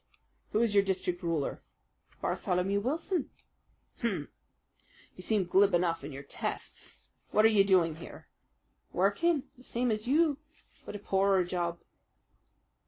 "Who is your district ruler?" "Bartholomew Wilson." "Hum! You seem glib enough in your tests. What are you doing here?" "Working, the same as you but a poorer job."